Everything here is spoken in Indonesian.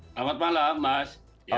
selamat malam mas